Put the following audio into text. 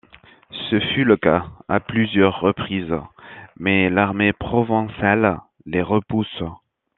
Ce fut le cas à plusieurs reprises, mais l’armée provençale les repousse.